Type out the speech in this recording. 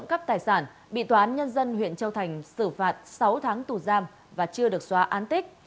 trộm cắp tài sản bị toán nhân dân huyện châu thành xử phạt sáu tháng tù giam và chưa được xóa an tích